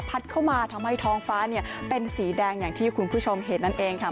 เข้ามาทำให้ท้องฟ้าเนี่ยเป็นสีแดงอย่างที่คุณผู้ชมเห็นนั่นเองค่ะ